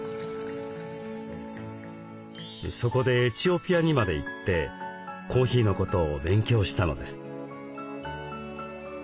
そこでエチオピアにまで行ってコーヒーのことを勉強したのです。